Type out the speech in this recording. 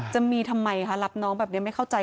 จะมีทำไมคะรับน้องแบบนี้ไม่เข้าใจ